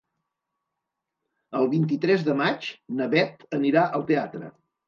El vint-i-tres de maig na Bet anirà al teatre.